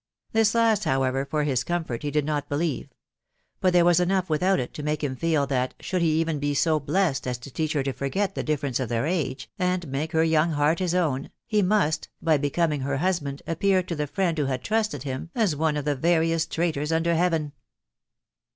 This last, however, for his com fort, he did not believe ; but there was enough without it to make him feel that, should he even be so blessed as to teach her to forget the difference of their age, and make her young heart his own, he must, by becoming her husband, appear, to the friend who had trusted him as one cf the veriest traitors under heaven.